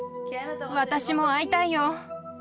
私も会いたいよ。